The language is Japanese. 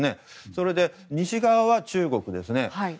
それで西側は中国ですね。